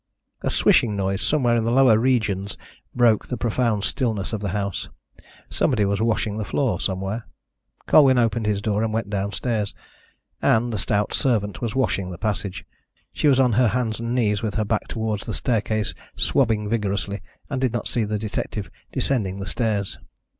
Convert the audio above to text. A swishing noise, somewhere in the lower regions, broke the profound stillness of the house. Somebody was washing the floor, somewhere. Colwyn opened his door and went downstairs. Ann, the stout servant, was washing the passage. She was on her hands and knees, with her back towards the staircase, swabbing vigorously, and did not see the detective descending the stairs.